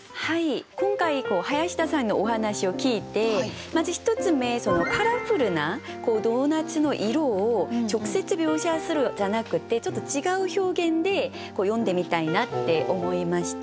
今回林田さんのお話を聞いてまず１つ目カラフルなドーナツの色を直接描写するんじゃなくてちょっと違う表現で詠んでみたいなって思いました。